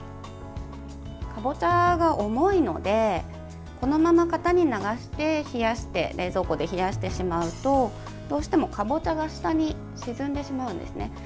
かぼちゃが重いのでこのまま型に流して冷蔵庫で冷やしてしまうとどうしても、かぼちゃが下に沈んでしまうんですね。